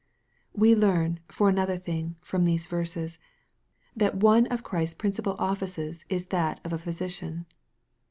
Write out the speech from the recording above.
We learn, for another thing, from these verses, that yne of Christ's principal offices is that of a Physician.